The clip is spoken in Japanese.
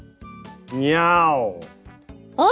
「にゃお」。